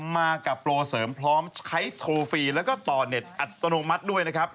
มากับโปรเสริมพร้อมใช้โทรฟรีแล้วก็ต่อเน็ตอัตโนมัติด้วยนะครับ